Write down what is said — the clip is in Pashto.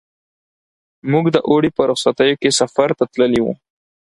موږ د اوړي په رخصتیو کې سفر ته تللي وو.